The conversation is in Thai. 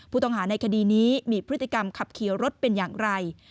ผู้ต้องหาในคดีนี้มีพฤติกรรมขับขี่รถเป็นอย่างไร